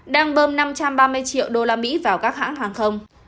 đang bơm năm trăm ba mươi triệu usd vào các hãng hàng không